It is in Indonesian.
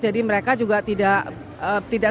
jadi mereka juga tidak